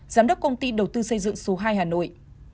giám đốc công ty đầu tư xây dựng số hai hà nội